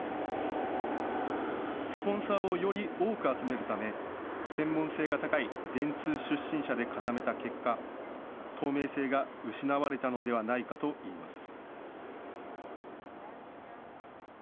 スポンサーをより多く集めるため専門性が高い電通出身者で固めた結果、透明性が失われたのではないかと言います。